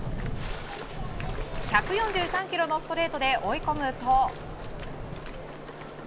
１４３キロのストレートで追い込むと。